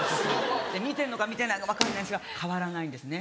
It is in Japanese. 見てんのか見てないのか分かんないんですが変わらないんですね